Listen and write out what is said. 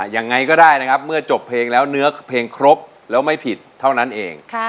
ยังไงก็ได้นะครับเมื่อจบเพลงแล้วเนื้อเพลงครบแล้วไม่ผิดเท่านั้นเอง